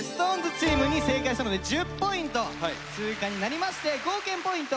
チームに正解したので１０ポイント追加になりまして合計ポイント